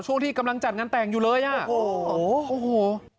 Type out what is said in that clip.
ช่วงที่กำลังจัดงานแต่งอยู่เลยอ่ะโอ้โหโอ้โห